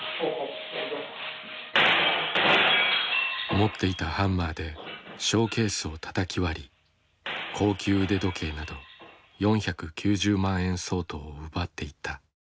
持っていたハンマーでショーケースをたたき割り高級腕時計など４９０万円相当を奪っていった。